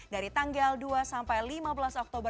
dari tanggal dua sampai lima belas oktober dua ribu dua puluh